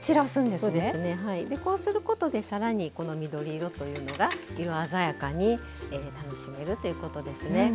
でこうすることで更にこの緑色というのが色鮮やかに楽しめるということですね。